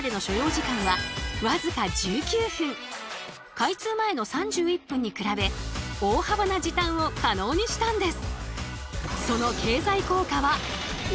開通前の３１分に比べ大幅な時短を可能にしたんです。